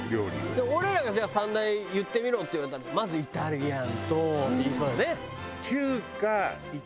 俺らがじゃあ三大言ってみろって言われたらまずイタリアンとって言いそうだね。